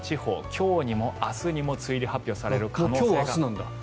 今日にも明日にも梅雨入り発表される可能性が。